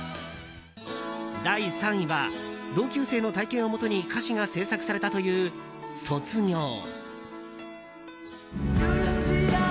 第３位は、同級生の体験をもとに歌詞が制作されたという「卒業」。